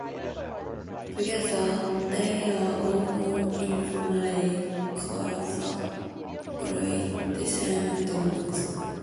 Together they are often informally called the Gruithuisen domes.